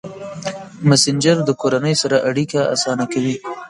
مسېنجر د کورنۍ سره اړیکه اسانه کوي.